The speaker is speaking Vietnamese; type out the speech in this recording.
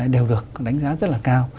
đều được đánh giá rất là cao